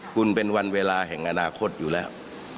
คุณเป็นวันเวลาแห่งอนาคตอยู่แล้ว